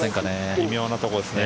微妙なところですね。